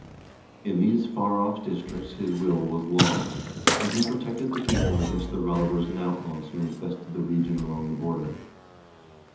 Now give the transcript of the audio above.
In these far off districts his will was law, and he pro tected the people against the robbers and outlaws who infested the region along the border.